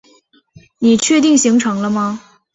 你确定行程了吗？